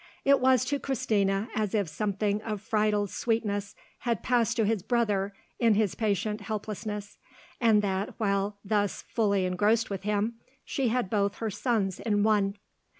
It was to Christina as if something of Friedel's sweetness had passed to his brother in his patient helplessness, and that, while thus fully engrossed with him, she had both her sons in one.